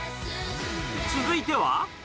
続いては。